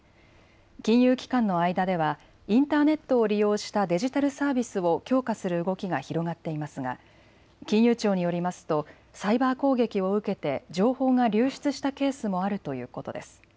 金融機関の間ではインターネットを利用したデジタルサービスを強化する動きが広がっていますが金融庁によりますとサイバー攻撃を受けて情報が流出したケースもあるということです。